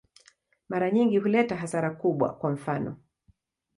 Mara nyingi huleta hasara kubwa, kwa mfano.